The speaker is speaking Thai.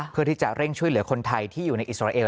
เพื่อที่จะเร่งช่วยเหลือคนไทยที่อยู่ในอิสราเอล